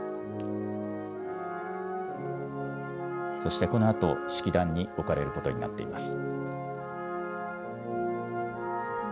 そしてこのあと式壇に置かれることになっています。